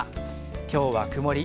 今日は曇り。